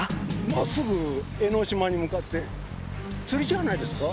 まっすぐ江の島に向かって釣りじゃないですか？